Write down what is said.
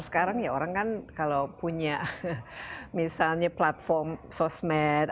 sekarang ya orang kan kalau punya misalnya platform sosmed